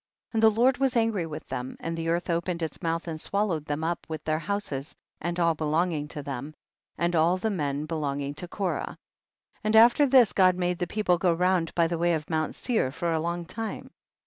2. And the Lord was angry with them, and the earth opened its mouth, and swallowed them up, with their houses and all belonging to them, and all the men belongind to Korah. 3. And after this God made the people go round by the way of Mount Seir for a long time.